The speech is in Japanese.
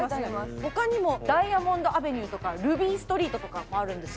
他にも「ダイアモンドアベニュー」とか「ルビーストリート」とかもあるんですよ。